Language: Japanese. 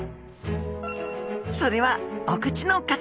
それはお口の形。